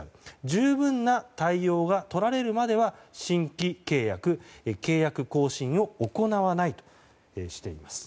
十分な対応が取られるまでは新規契約・契約更新を行わないとしています。